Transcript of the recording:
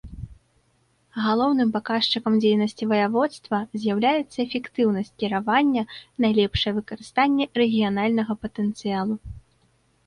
Галоўным паказчыкам дзейнасці ваяводства з'яўляецца эфектыўнасць кіравання, найлепшае выкарыстанне рэгіянальнага патэнцыялу.